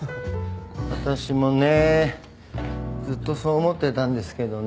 私もねずっとそう思ってたんですけどね。